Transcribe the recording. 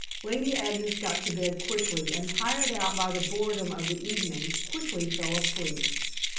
Lady Agnes got to bed quickly, and tired out by the boredom of the evening, quickly fell asleep.